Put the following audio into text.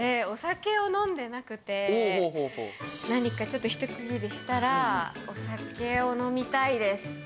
お酒を飲んでなくて、何かひと区切りしたら、お酒を飲みたいです。